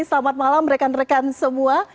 selamat malam rekan rekan semua